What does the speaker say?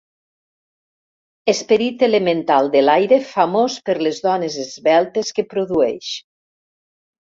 Esperit elemental de l'aire famós per les dones esveltes que produeix.